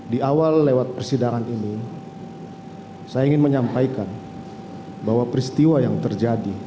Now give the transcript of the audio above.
di awal lewat persidangan ini saya ingin menyampaikan bahwa peristiwa yang terjadi